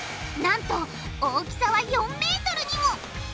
なんと大きさは４ｍにも！